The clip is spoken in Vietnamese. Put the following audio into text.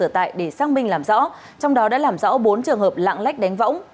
tại để xác minh làm rõ trong đó đã làm rõ bốn trường hợp lạng lách đánh võng